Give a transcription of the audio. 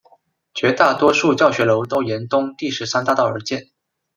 绝大多数教学楼都沿东第十三大道而建。